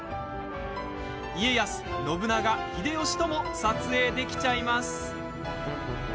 家康、信長、秀吉とも撮影できちゃいます。